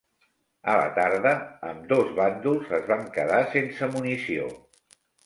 A la tarda, ambdós bàndols es van quedar sense munició.